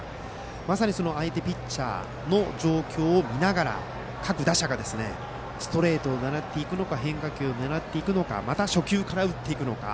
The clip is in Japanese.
まさに相手ピッチャーの状況を見ながら各打者がストレートを狙っていくのか変化球を狙っていくのかまた、初球から打っていくのか。